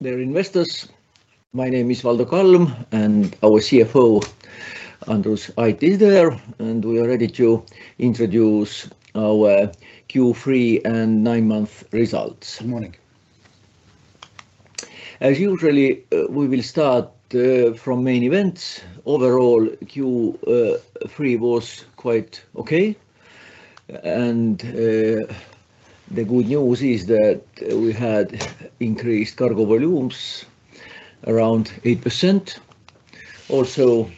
Dear investors, my name is Valdo Kalm, and our CFO, Andrus Ait, is there, and we are ready to introduce our Q3 and nine-month results. Good morning. As usually, we will start from main events. Overall, Q3 was quite okay, and the good news is that we had increased cargo volumes around 8%. Also,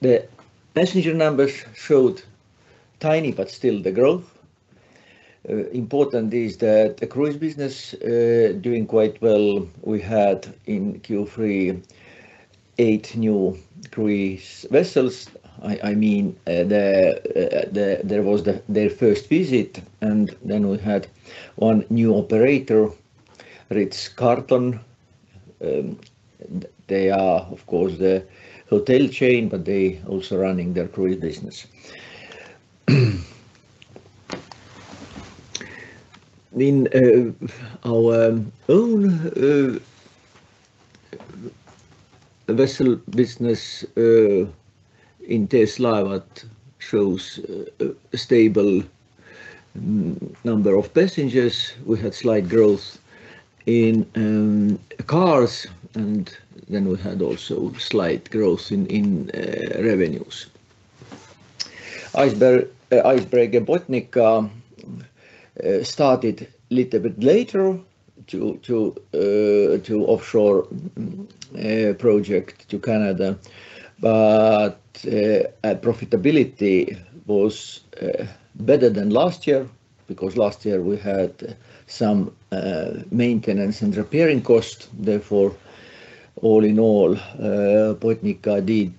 the passenger numbers showed tiny, but still, the growth. Important is that the cruise business is doing quite well. We had, in Q3, eight new cruise vessels. I mean, there was their first visit, and then we had one new operator, Ritz-Carlton. They are, of course, the hotel chain, but they are also running their cruise business. In our own vessel business in TS Laevad, it shows a stable number of passengers. We had slight growth in cars, and then we had also slight growth in revenues. Icebreaker Botnica started a little bit later to offshore a project to Canada, but profitability was better than last year because last year we had some maintenance and repairing costs. Therefore, all in all, Botnica did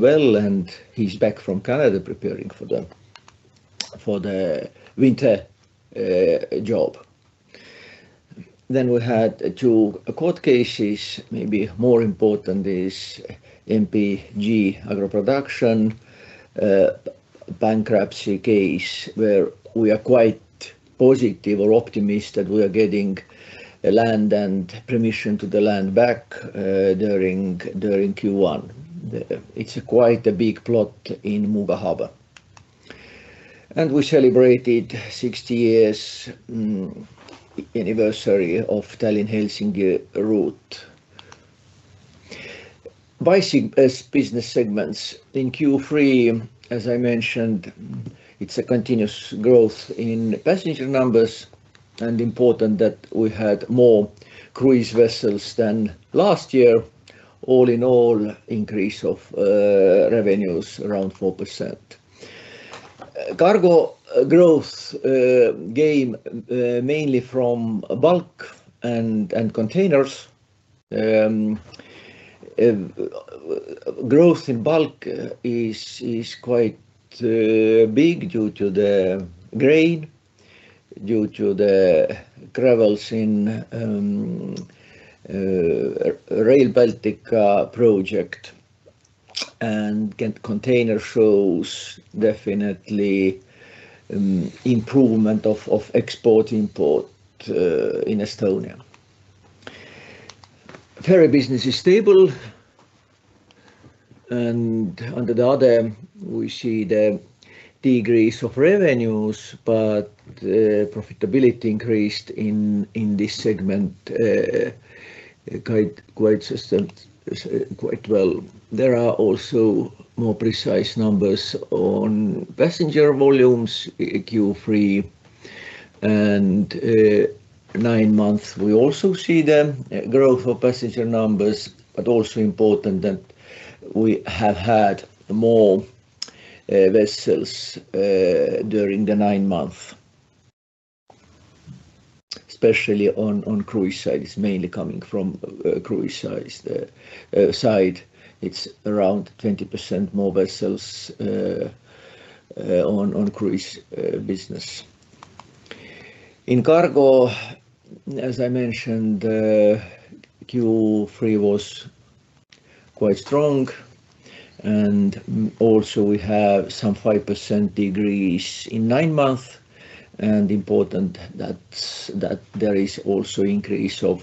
well, and he's back from Canada preparing for the winter job. Then we had two court cases. Maybe more important is MPG Agro Production bankruptcy case, where we are quite positive or optimistic that we are getting land and permission to the land back during Q1. It's quite a big plot in Muuga Harbor, and we celebrated 60 years anniversary of Tallinn-Helsinki route. Buying as business segments in Q3, as I mentioned, it's a continuous growth in passenger numbers, and important that we had more cruise vessels than last year. All in all, increase of revenues around 4%. Cargo growth came mainly from bulk and containers. Growth in bulk is quite big due to the grain, due to the travels in Rail Baltica project, and container shows definitely improvement of export-import in Estonia. Ferry business is stable, and under the other, we see the decrease of revenues, but profitability increased in this segment quite well. There are also more precise numbers on passenger volumes Q3 and nine months. We also see the growth of passenger numbers, but also important that we have had more vessels during the nine months. Especially on cruise side, it's mainly coming from cruise side. It's around 20% more vessels on cruise business. In cargo, as I mentioned, Q3 was quite strong, and also we have some 5% decrease in nine months, and important that there is also increase of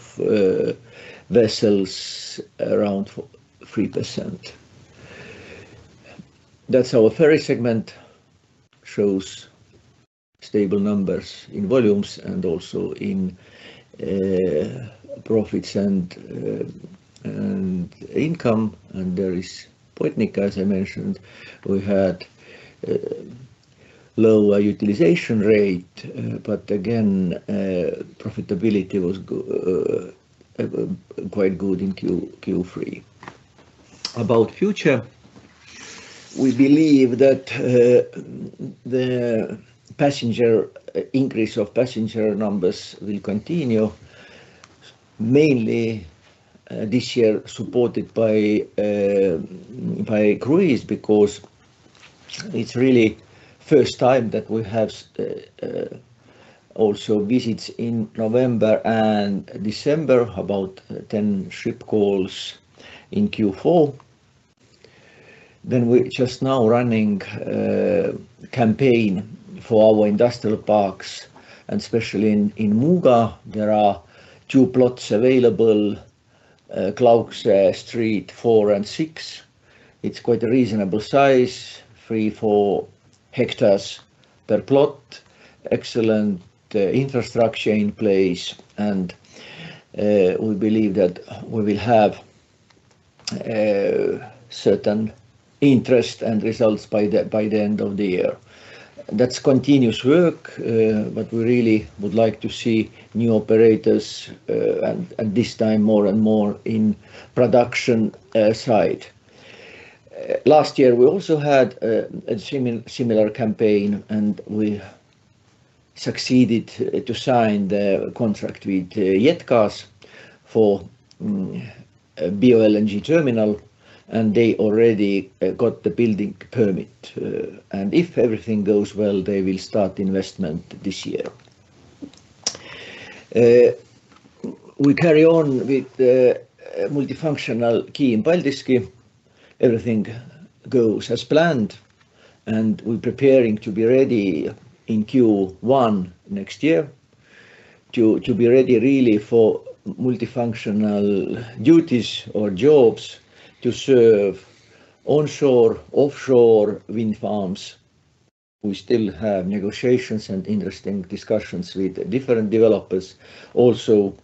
vessels around 3%. That's our ferry segment, shows stable numbers in volumes and also in profits and income, and there is Botnica, as I mentioned. We had lower utilization rate, but again, profitability was quite good in Q3. About future, we believe that the increase of passenger numbers will continue, mainly this year supported by cruise because it's really the first time that we have also visits in November and December, about 10 ship calls in Q4. We are just now running a campaign for our industrial parks, and especially in Muuga, there are two plots available, Klaukse Street 4 and 6. It's quite a reasonable size, 3-4 hectares per plot, excellent infrastructure in place, and we believe that we will have certain interest and results by the end of the year. That's continuous work, but we really would like to see new operators, and this time more and more in production side. Last year, we also had a similar campaign, and we succeeded to sign the contract with JetGas for a BioLNG terminal, and they already got the building permit. If everything goes well, they will start investment this year. We carry on with multifunctional quay in Paldiski. Everything goes as planned, and we're preparing to be ready in Q1 next year to be ready really for multifunctional duties or jobs to serve onshore, offshore wind farms. We still have negotiations and interesting discussions with different developers. Also,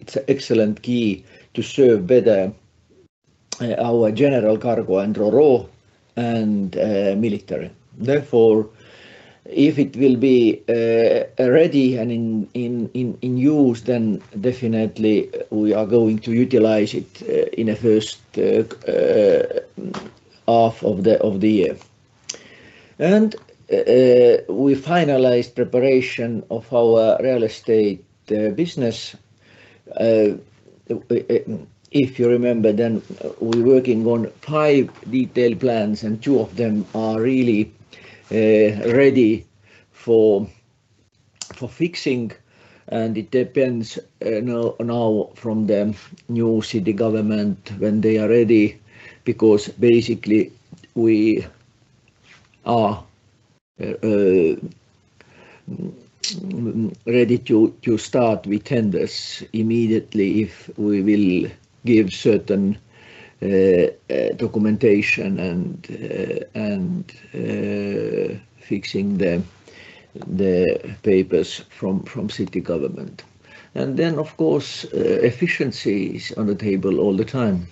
it's an excellent quay to serve better our general cargo and ro-ro and military. Therefore, if it will be ready and in use, then definitely we are going to utilize it in the first half of the year. We finalized preparation of our real estate business. If you remember, then we're working on five detailed plans, and two of them are really ready for fixing, and it depends now from the new city government when they are ready because basically we are ready to start with tenders immediately if we will give certain documentation and fixing the papers from city government. Of course, efficiency is on the table all the time.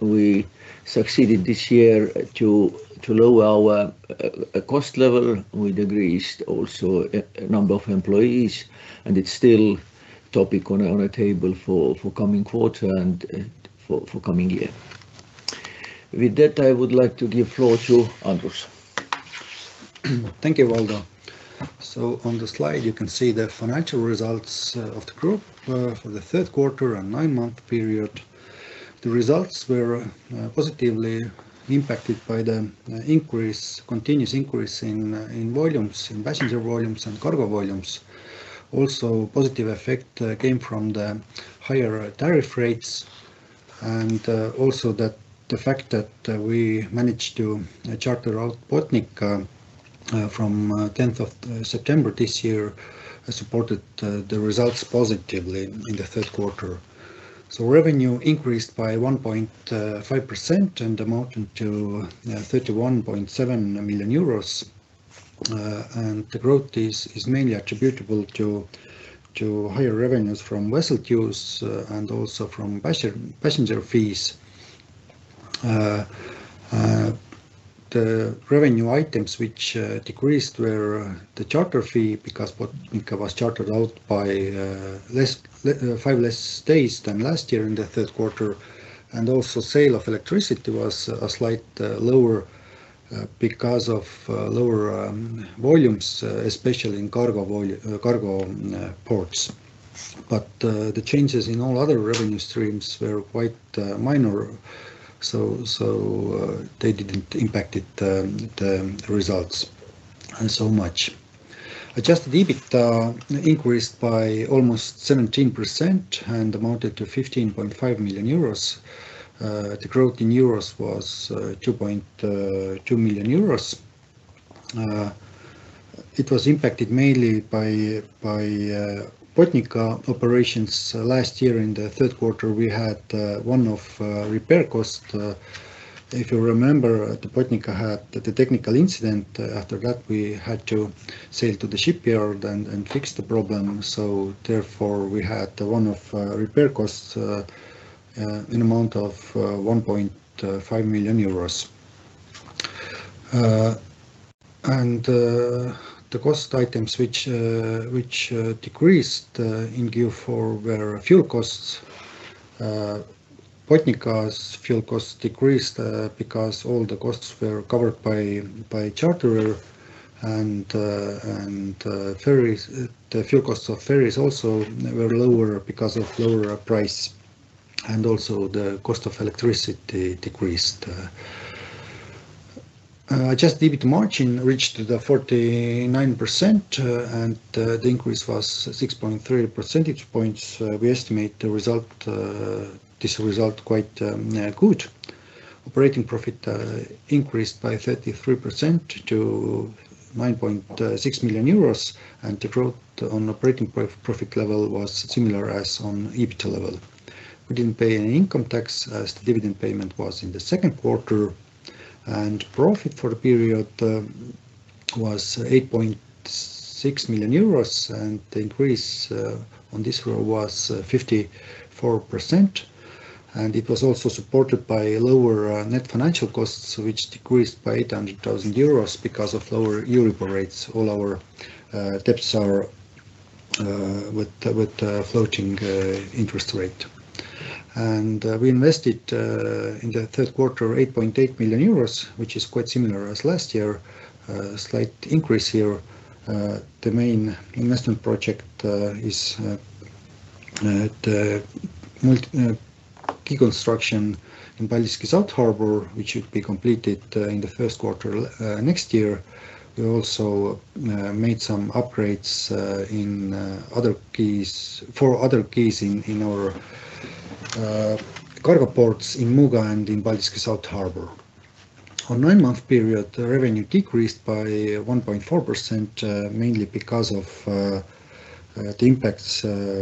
We succeeded this year to lower our cost level. We decreased also the number of employees, and it's still a topic on the table for coming quarter and for coming year. With that, I would like to give floor to Andrus. Thank you, Valdo. On the slide, you can see the financial results of the group for the third quarter and nine-month period. The results were positively impacted by the continuous increase in volumes, in passenger volumes and cargo volumes. Also, a positive effect came from the higher tariff rates and also the fact that we managed to charter out Botnica from 10th of September this year, supported the results positively in the third quarter. Revenue increased by 1.5% and amounted to 31.7 million euros, and the growth is mainly attributable to higher revenues from vessel queues and also from passenger fees. The revenue items which decreased were the charter fee because Botnica was chartered out by five less days than last year in the third quarter, and also sale of electricity was slightly lower because of lower volumes, especially in cargo ports. The changes in all other revenue streams were quite minor, so they did not impact the results so much. Adjusted EBITDA increased by almost 17% and amounted to 15.5 million euros. The growth in euros was 2.2 million euros. It was impacted mainly by Botnica operations. Last year, in the third quarter, we had one-off repair cost. If you remember, Botnica had the technical incident. After that, we had to sail to the shipyard and fix the problem. Therefore, we had one-off repair cost in the amount of 1.5 million euros. The cost items which decreased in Q4 were fuel costs. Botnica's fuel costs decreased because all the costs were covered by charter, and the fuel costs of ferries also were lower because of lower price, and also the cost of electricity decreased. Adjusted EBITDA margin reached 49%, and the increase was 6.3 percentage points. We estimate this result quite good. Operating profit increased by 33% to 9.6 million euros, and the growth on operating profit level was similar as on EBITDA level. We did not pay any income tax as the dividend payment was in the second quarter, and profit for the period was 8.6 million euros, and the increase on this year was 54%. It was also supported by lower net financial costs, which decreased by 800,000 euros because of lower EURIBOR rates. All our debts are with floating interest rate. We invested in the third quarter 8.8 million euros, which is quite similar as last year, a slight increase here. The main investment project is the quay construction in Paldiski South Harbor, which should be completed in the first quarter next year. We also made some upgrades for other quays in our cargo ports in Muuga and in Paldiski South Harbor. On nine-month period, revenue decreased by 1.4%, mainly because of the impacts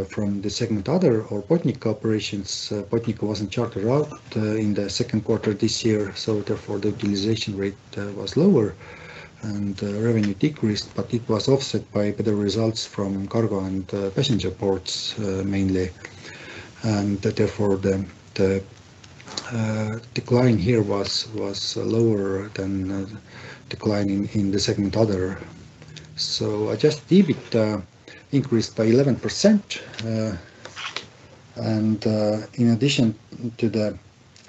from the segment other or Botnica operations. Botnica wasn't chartered out in the second quarter this year, so therefore the utilization rate was lower and revenue decreased, but it was offset by better results from cargo and passenger ports mainly. Therefore, the decline here was lower than the decline in the segment other. Adjusted EBITDA increased by 11%. In addition to the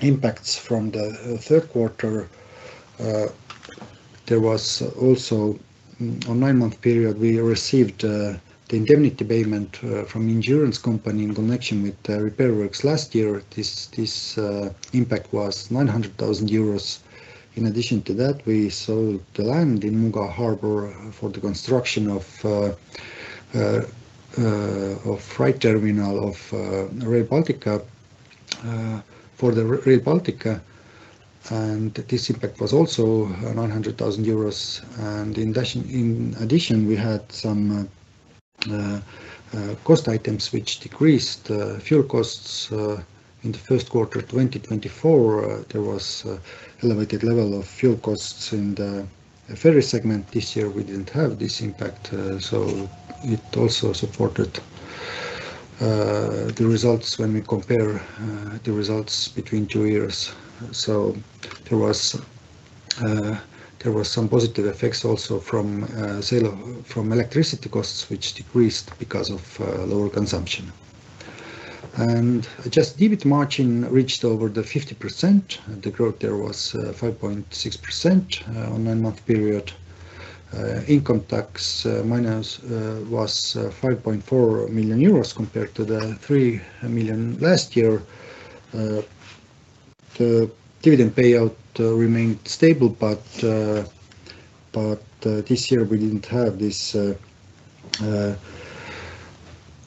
impacts from the third quarter, there was also on nine-month period, we received the indemnity payment from insurance company in connection with the repair works last year. This impact was 900,000 euros. In addition to that, we sold the land in Muuga Harbor for the construction of right terminal of Rail Baltica for the Rail Baltica, and this impact was also 900,000 euros. In addition, we had some cost items which decreased fuel costs in the first quarter 2024. There was an elevated level of fuel costs in the ferry segment. This year, we did not have this impact, so it also supported the results when we compare the results between two years. There were some positive effects also from electricity costs, which decreased because of lower consumption. Adjusted EBITDA margin reached over 50%. The growth there was 5.6% on nine-month period. Income tax was 5.4 million euros compared to 3 million last year. The dividend payout remained stable, but this year we did not have this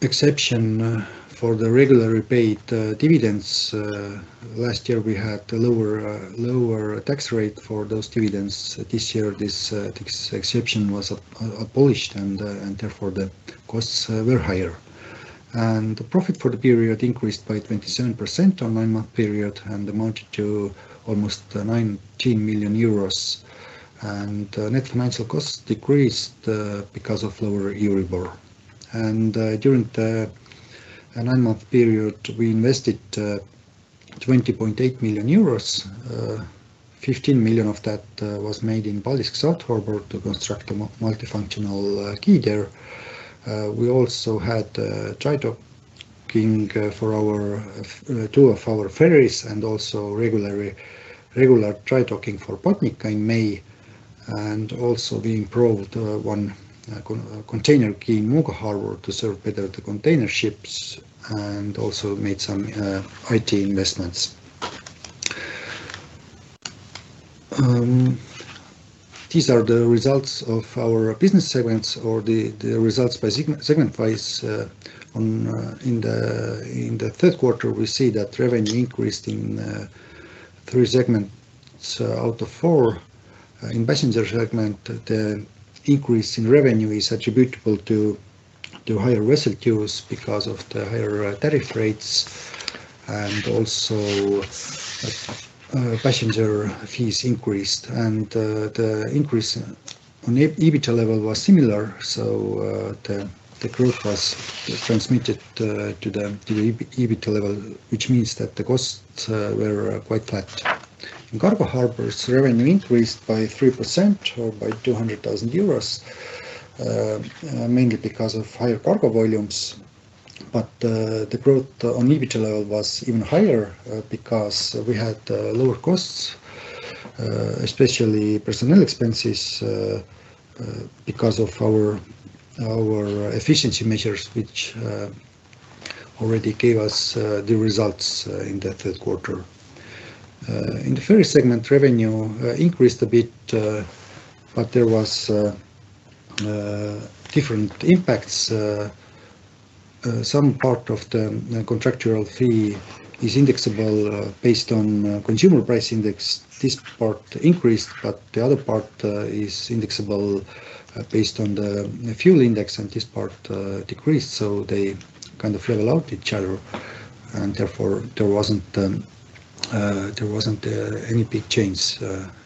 exception for the regularly paid dividends. Last year, we had a lower tax rate for those dividends. This year, this exception was abolished, and therefore the costs were higher. The profit for the period increased by 27% on nine-month period and amounted to almost 19 million euros. Net financial costs decreased because of lower EURIBOR. During the nine-month period, we invested 20.8 million euros. 15 million of that was made in Baldiski South Harbor to construct a multifunctional quay there. We also had dry-docking for two of our ferries and also regular dry-docking for Botnica in May. We improved one container quay in Muuga Harbor to serve better the container ships and also made some IT investments. These are the results of our business segments or the results by segment-wise. In the third quarter, we see that revenue increased in three segments out of four. In passenger segment, the increase in revenue is attributable to higher vessel queues because of the higher tariff rates and also passenger fees increased. The increase on EBITDA level was similar, so the growth was transmitted to the EBITDA level, which means that the costs were quite flat. In cargo harbors, revenue increased by 3% or by 200,000 euros, mainly because of higher cargo volumes. The growth on EBITDA level was even higher because we had lower costs, especially personnel expenses, because of our efficiency measures, which already gave us the results in the third quarter. In the ferry segment, revenue increased a bit, but there were different impacts. Some part of the contractual fee is indexable based on consumer price index. This part increased, but the other part is indexable based on the fuel index, and this part decreased, so they kind of level out each other. Therefore, there was not any big change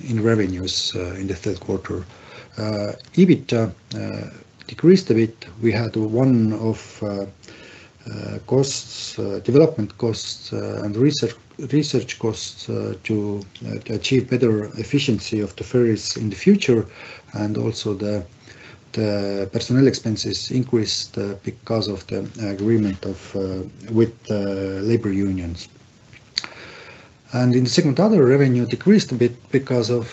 in revenues in the third quarter. EBITDA decreased a bit. We had one-off development costs and research costs to achieve better efficiency of the ferries in the future, and also the personnel expenses increased because of the agreement with labor unions. In the segment other, revenue decreased a bit because of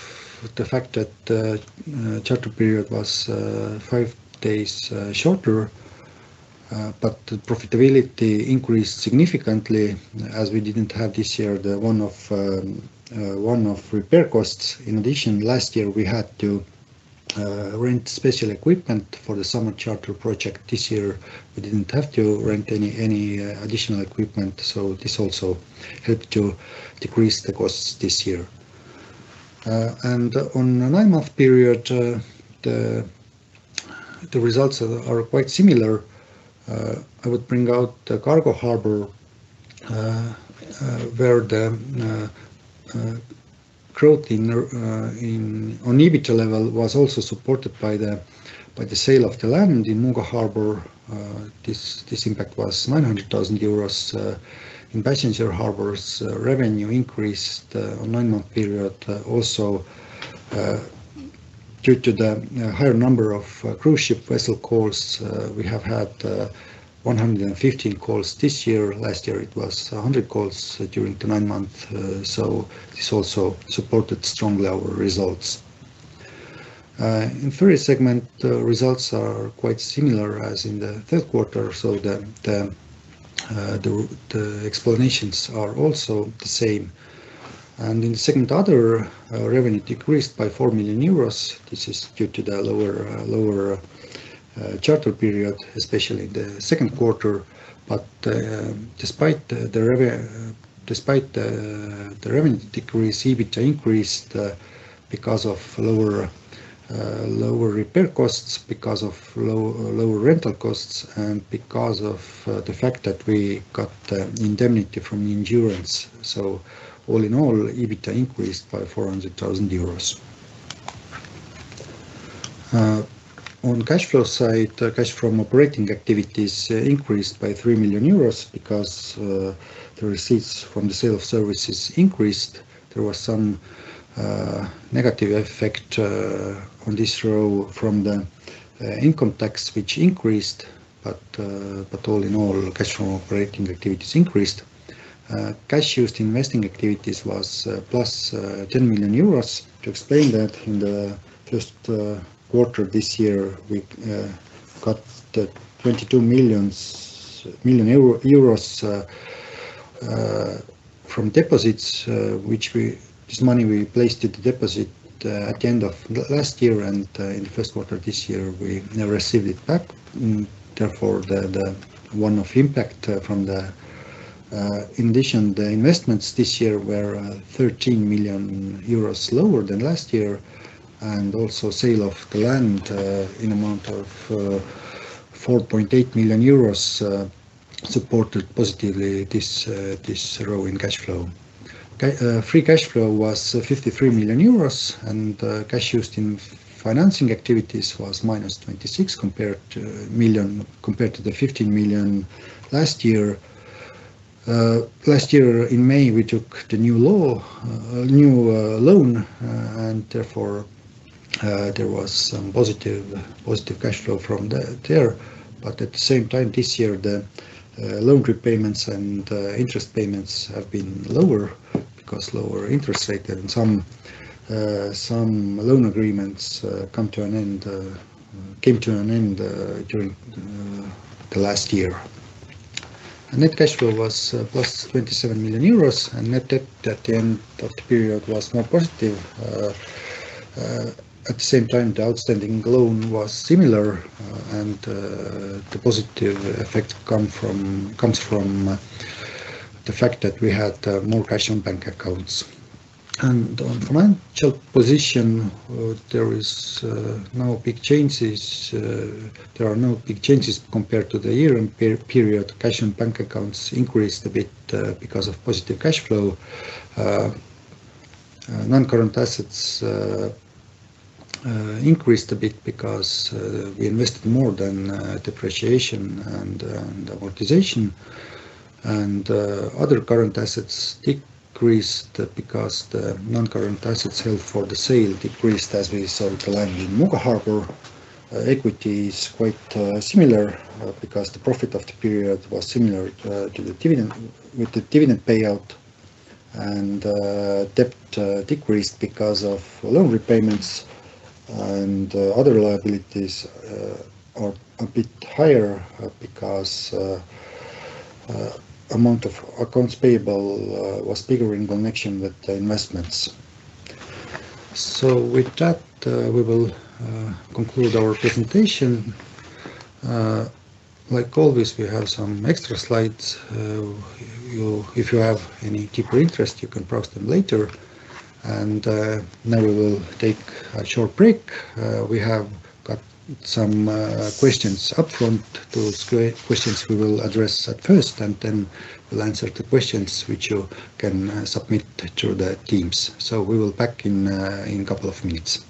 the fact that the charter period was five days shorter, but the profitability increased significantly as we did not have this year one-off repair costs. In addition, last year, we had to rent special equipment for the summer charter project. This year, we did not have to rent any additional equipment, so this also helped to decrease the costs this year. On the nine-month period, the results are quite similar. I would bring out the cargo harbor where the growth on EBITDA level was also supported by the sale of the land in Muuga Harbor. This impact was 900,000 euros. In passenger harbors, revenue increased on the nine-month period. Also, due to the higher number of cruise ship vessel calls, we have had 115 calls this year. Last year, it was 100 calls during the nine-month, so this also supported strongly our results. In ferry segment, results are quite similar as in the third quarter, so the explanations are also the same. In the segment other, revenue decreased by 4 million euros. This is due to the lower charter period, especially in the second quarter. Despite the revenue decrease, EBITDA increased because of lower repair costs, because of lower rental costs, and because of the fact that we got indemnity from insurance. All in all, EBITDA increased by 400,000 euros. On cash flow side, cash from operating activities increased by 3 million euros because the receipts from the sale of services increased. There was some negative effect on this row from the income tax, which increased, but all in all, cash from operating activities increased. Cash used in investing activities was 10 million euros. To explain that, in the first quarter this year, we got 22 million euros from deposits, which this money we placed at the deposit at the end of last year, and in the first quarter this year, we received it back. Therefore, the one-off impact from the in addition, the investments this year were 13 million euros lower than last year. Also, sale of the land in the amount of 4.8 million euros supported positively this row in cash flow. Free cash flow was 53 million euros, and cash used in financing activities was minus 26 million compared to the 15 million last year. Last year, in May, we took the new loan, and therefore, there was some positive cash flow from there. At the same time, this year, the loan repayments and interest payments have been lower because of lower interest rates, and some loan agreements came to an end during the last year. Net cash flow was 27 million euros, and net debt at the end of the period was more positive. At the same time, the outstanding loan was similar, and the positive effect comes from the fact that we had more cash on bank accounts. On financial position, there are no big changes compared to the year-end period. Cash on bank accounts increased a bit because of positive cash flow. Non-current assets increased a bit because we invested more than depreciation and amortization. Other current assets decreased because the non-current assets held for sale decreased as we sold the land in Muuga Harbor. Equity is quite similar because the profit of the period was similar to the dividend payout, and debt decreased because of loan repayments. Other liabilities are a bit higher because the amount of accounts payable was bigger in connection with the investments. With that, we will conclude our presentation. Like always, we have some extra slides. If you have any deeper interest, you can browse them later. Now, we will take a short break. We have got some questions upfront. Those questions, we will address at first, and then we'll answer the questions which you can submit through Teams. We will pack in a couple of minutes.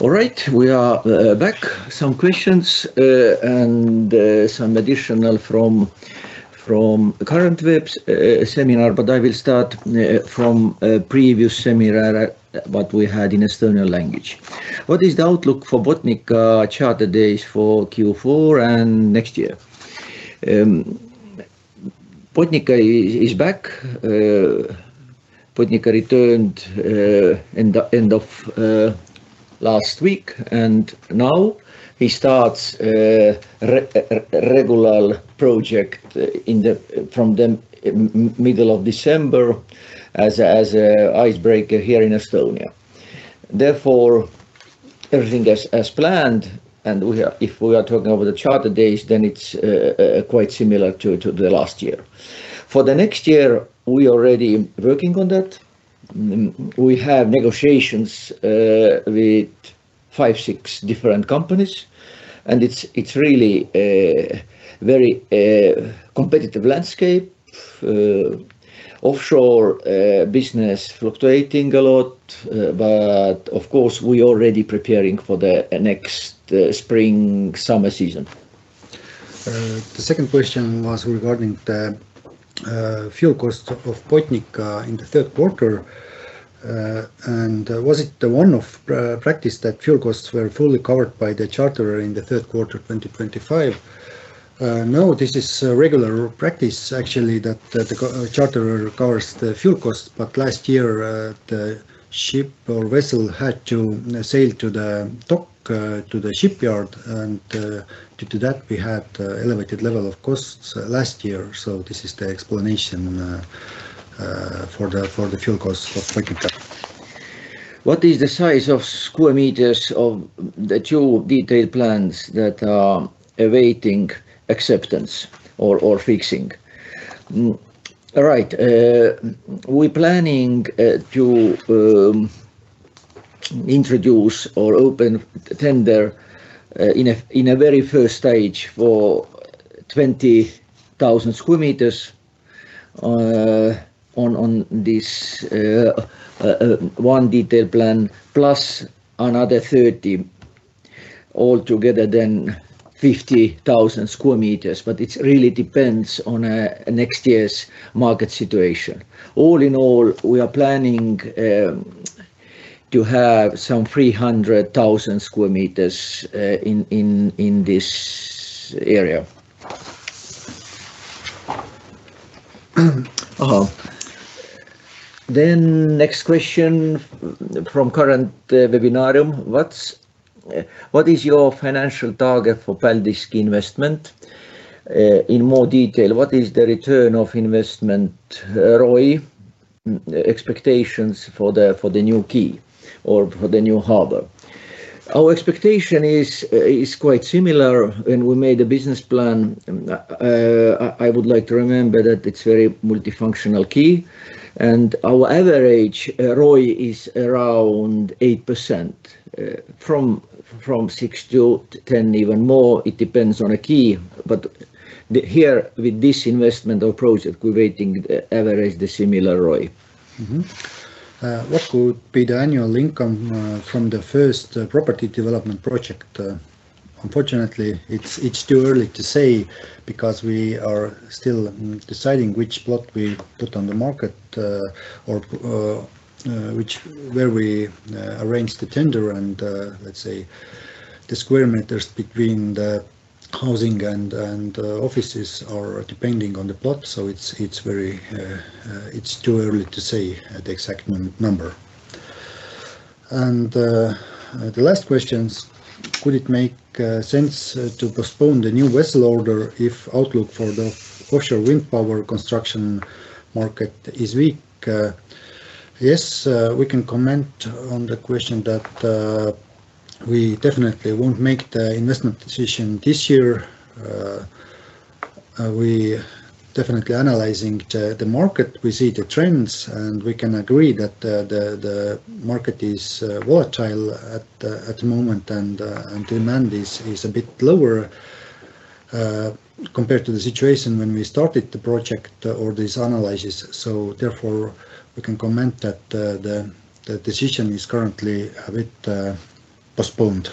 All right. We are back. Some questions and some additional from current web seminar, but I will start from a previous seminar that we had in Estonian language. What is the outlook for Botnica charter days for Q4 and next year? Botnica is back. Botnica returned at the end of last week, and now he starts a regular project from the middle of December as an icebreaker here in Estonia. Therefore, everything is as planned, and if we are talking about the charter days, then it's quite similar to last year. For the next year, we are already working on that. We have negotiations with five, six different companies, and it's really a very competitive landscape. Offshore business is fluctuating a lot, but of course, we are already preparing for the next spring-summer season. The second question was regarding the fuel costs of Botnica in the third quarter. Was it the one-off practice that fuel costs were fully covered by the charter in the third quarter 2025? No, this is regular practice, actually, that the charter covers the fuel costs, but last year, the ship or vessel had to sail to the dock, to the shipyard, and due to that, we had an elevated level of costs last year. This is the explanation for the fuel costs of Botnica. What is the size in square meters of the two detailed plans that are awaiting acceptance or fixing? All right. We are planning to introduce or open a tender in a very first stage for 20,000 sq m on this one detailed plan, plus another 30,000, altogether then 50,000 sq m, but it really depends on next year's market situation. All in all, we are planning to have some 300,000 sq m in this area. Next question from current webinarium. What is your financial target for Paldiski investment in more detail? What is the return of investment ROI expectations for the new quay or for the new harbor? Our expectation is quite similar. When we made the business plan, I would like to remember that it's a very multifunctional quay, and our average ROI is around 8%. From 6%-10%, even more, it depends on a quay, but here, with this investment of project, we're waiting to average the similar ROI. What could be the annual income from the first property development project? Unfortunately, it's too early to say because we are still deciding which plot we put on the market or where we arrange the tender, and let's say the square meters between the housing and offices are depending on the plot, so it's too early to say the exact number. The last question: could it make sense to postpone the new vessel order if the outlook for the offshore wind power construction market is weak? Yes, we can comment on the question that we definitely will not make the investment decision this year. We are definitely analyzing the market. We see the trends, and we can agree that the market is volatile at the moment, and demand is a bit lower compared to the situation when we started the project or these analyses. Therefore, we can comment that the decision is currently a bit postponed.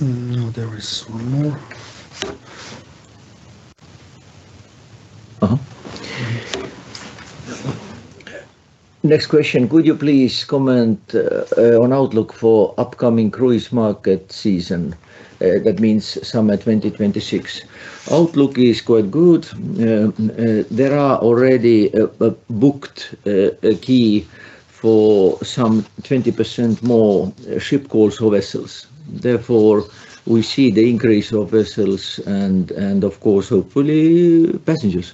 No, there is one more. Next question: could you please comment on the outlook for the upcoming cruise market season? That means summer 2026. The outlook is quite good. There are already booked quays for some 20% more ship calls or vessels. Therefore, we see the increase of vessels and, of course, hopefully, passengers.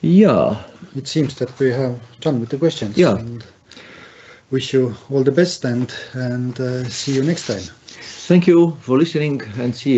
Yeah. It seems that we have done with the questions. Wish you all the best and see you next time. Thank you for listening and see you.